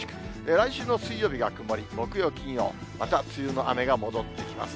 来週の水曜日が曇り、木曜、金曜、また梅雨の雨が戻ってきます。